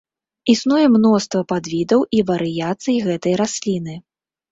Існуе мноства падвідаў і варыяцый гэтай расліны.